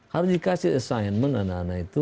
harus dikasih assignment anak anak itu